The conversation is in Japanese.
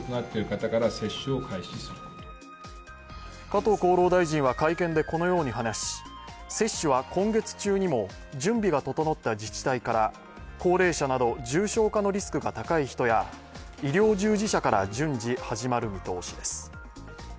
加藤厚労大臣は会見でこのように話し、接種は今月中にも準備が整った自治体から高齢者など重症化のリスクが高い人や医療従事者から順次始まる見通しです。